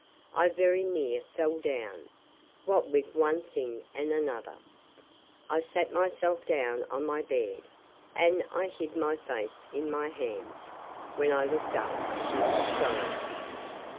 I very near fell down, what with one thing and another. I sat myself down on my bed, and I hid my face in my hands. When I looked up she was gone.